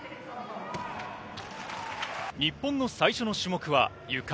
日本の最初の種目はゆか。